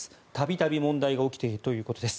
度々、問題が起きているということです。